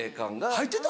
入ってた？